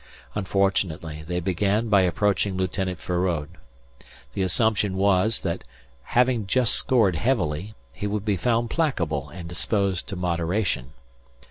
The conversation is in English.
Unfortunately, they began by approaching Lieutenant Feraud. The assumption was, that having just scored heavily, he would be found placable and disposed to moderation.